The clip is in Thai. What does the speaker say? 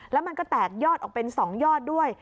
แล้วมันก็แตกยอดออกเป็น๒ยอดด้วย